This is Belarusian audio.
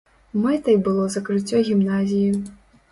Мэтай было закрыццё гімназіі.